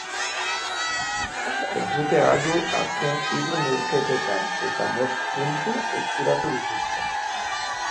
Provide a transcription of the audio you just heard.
Ez dute galdu azken hiru neurketetan, eta bost puntu eskuratu dituzte.